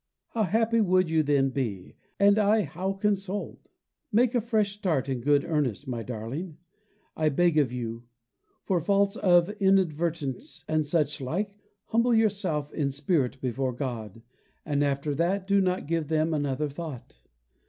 How happy would you then be, and I how consoled! Make a fresh start in good earnest, my darling, I beg of you. For faults of inadvertence and suchlike, humble yourself in spirit before God, and after that do not give them another thought.